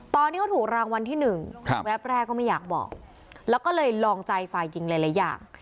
ตอนที่เขาถูกรางวัลที่หนึ่งแวบแรกก็ไม่อยากบอกแล้วก็เลยลองใจฝ่ายหญิงหลายอย่าง